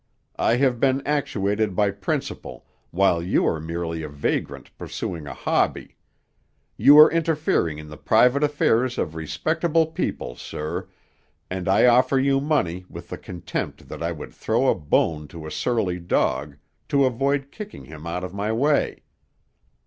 I have been actuated by principle, while you are merely a vagrant pursuing a hobby. You are interfering in the private affairs of respectable people, sir, and I offer you money with the contempt that I would throw a bone to a surly dog, to avoid kicking him out of my way.'